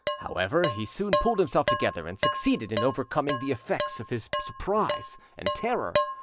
However, he soon pulled himself together, and succeeded in overcoming the effects of his surprise and terror.